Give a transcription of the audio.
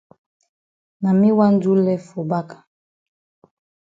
Na me wan do lef for back.